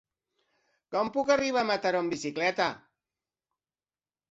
Com puc arribar a Mataró amb bicicleta?